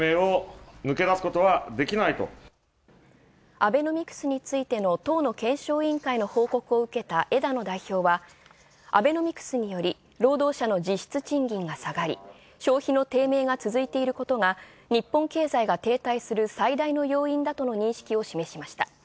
アベノミクスについての党の検証委員会を報告を受けた枝野代表は、アベノミクスにより労働者の実質賃金が下がり、消費の低迷が続いていることが日本経済が停滞する最大の要因だとの認識を示しました。